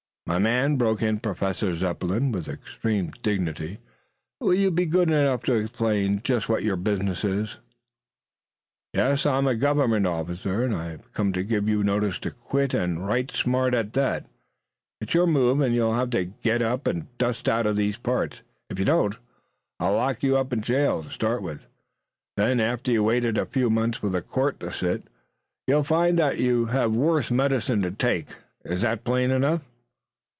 "My man," broke in Professor Zepplin, with extreme dignity, "will you be good enough to explain just what your business is?" "Yes. I'm a government officer, and I've come to give you notice to quit, and right smart at that. It's your move, and you'll have to get up and dust out of these parts. If you don't, I'll lock you up in jail, to start with. Then, after you've waited a few months for the court to sit, you'll find that you have worse medicine to take. Is that plain enough?"